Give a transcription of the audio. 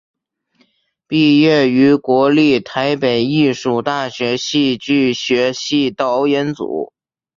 毕业于国立台北艺术大学戏剧学系导演组。